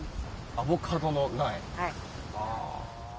アボカドの苗。